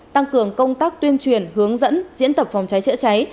tăng cường công tác tuyên truyền hướng dẫn diễn tập phòng cháy chữa cháy